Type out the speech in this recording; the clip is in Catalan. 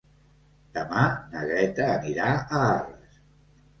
Demà na Greta anirà a Arres.